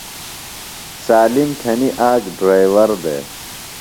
سالِم تھنیۡ آک ڈریور دےۡ۔